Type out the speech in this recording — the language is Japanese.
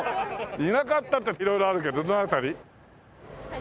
田舎っつったって色々あるけどどの辺り？